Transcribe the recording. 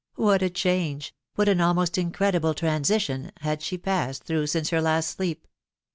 What a change, what an almost incredible transition, had she passed through since her last sleep